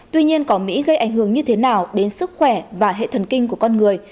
tuy nhiên cỏ mỹ gây ảnh hưởng như thế nào đến sức khỏe và hệ thần kinh của con người